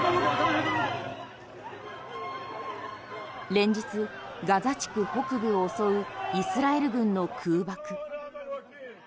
連日、ガザ地区北部を襲うイスラエル軍の空爆。